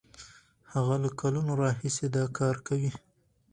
هغه له کلونو راهیسې دا کار کوي.